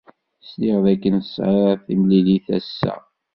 Sliɣ dakken tesɛid timlilit ass-a.